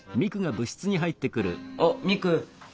あっミク。